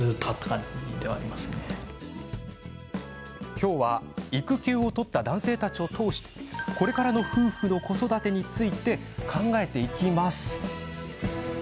今日は育休を取った男性たちを通してこれからの夫婦の子育てについて考えていきます。